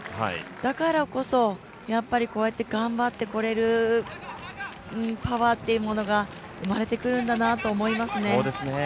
だからこそこうやって頑張ってこれるパワーというものが生まれてくるんだなと思いますね。